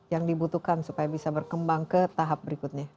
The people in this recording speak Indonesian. yang dibutuhkan supaya bisa berkembang ke tahap berikutnya